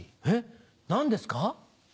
えっ何ですか？